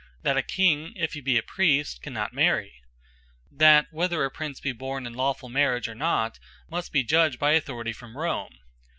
That a King, if he be a Priest, cannot Marry? That whether a Prince be born in lawfull Marriage, or not, must be judged by Authority from Rome?